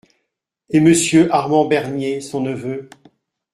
Et Monsieur Armand Bernier, son neveu ?